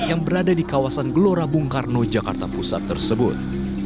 yang berada di kawasan gelora bung karno jakarta pusat tersebut